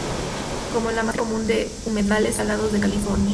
Como la mascarita común de humedales salados de California.